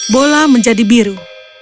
bola menjadi biru